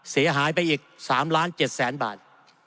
เสียหายไปอีก๓๗๐๐๐๐๐บาท